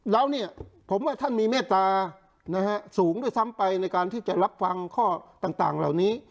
แล้วเนี่ยผมว่าท่านมีเมตตาสูงด้วยซ้ำไปในการที่จะรับฟังข้อต่างเหล่านี้